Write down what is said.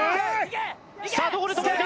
さあどこで止まるか？